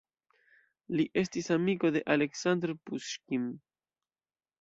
Li estis amiko de Aleksandr Puŝkin.